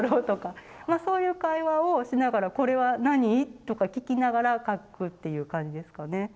まあそういう会話をしながら「これは何？」とか聞きながら描くっていう感じですかね。